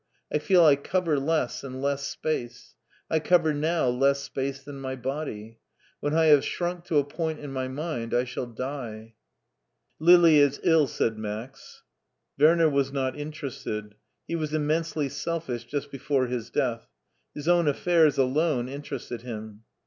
I feel I cover less and less space. I cover now less space than my body. When I have shrunk to a point in my mind I shall die !"" Lili is iU/' said Max. Werner was not interested ; he was immensely selfish just before his death ; his own affairs alone interested him.